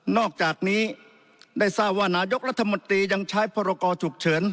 อกจากนี้ได้ทราบว่านายกรัฐมนตรียังใช้พรกรฉุกเฉิน